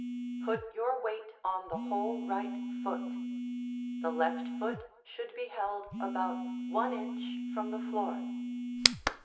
Put your weight on the whole right foot. The left foot should be held about one inch from the floor.